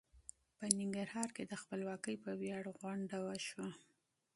په ننګرهار کې د خپلواکۍ په وياړ غونډه وشوه.